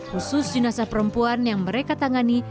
khusus jenazah perempuan yang mereka tangani